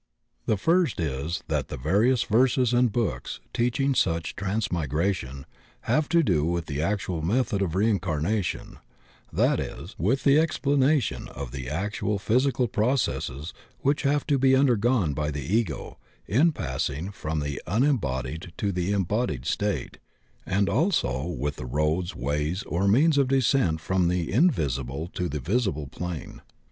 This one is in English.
The first is that the various verses and books teach ing such transmigration have to do with the actual method of reincarnation, that is, with the explana tion of the actual physical processes which have to be undergone by the Ego in passing from the unem bodied to the embodied state, and also with the roads, ways, or means of descent from the invisible to the visible plane.